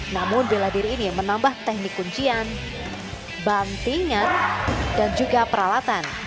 namun bela diri ini menambah teknik kuncian bantingan dan juga peralatan